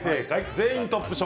全員トップ賞。